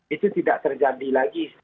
itu tidak terjadi lagi